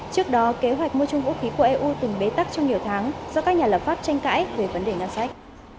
trước đó kế hoạch mua chung vũ khí của eu từng bế tắc trong nhiều tháng do các nhà lập pháp tranh cãi về vấn đề năng sách